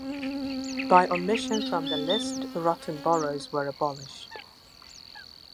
By omission from the list rotten boroughs were abolished.